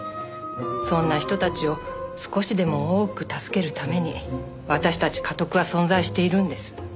そんな人たちを少しでも多く助けるために私たちかとくは存在しているんです。